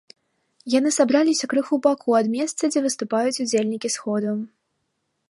Яны сабраліся крыху ў баку ад месца, дзе выступаюць удзельнікі сходу.